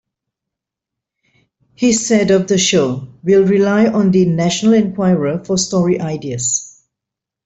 He said of the show "We'll rely on the "National Enquirer" for story ideas.